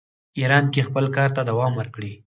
ایران کې خپل کار ته دوام ورکړي.